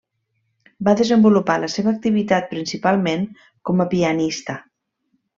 Va desenvolupar la seva activitat principalment com a pianista.